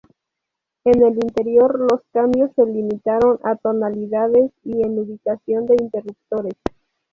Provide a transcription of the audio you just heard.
En el interior los cambios se limitaron a tonalidades y en ubicación de interruptores.